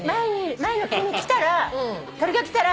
前の木に来たら鳥が来たら。